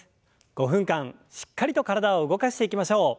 ５分間しっかりと体を動かしていきましょう。